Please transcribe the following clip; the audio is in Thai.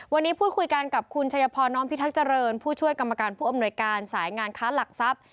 วันนี้พูดคุยกันกับคุณชัยพรน้อมพิทักษ์เจริญผู้ช่วยกรรมการผู้อำนวยการสายงานค้าหลักทรัพย์